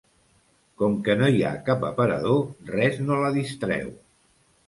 Com que no hi ha cap aparador res no la distreu.